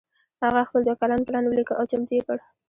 هغه خپل دوه کلن پلان وليکه او چمتو يې کړ.